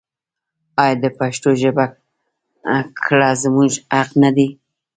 آیا د پښتو زده کړه زموږ حق نه دی؟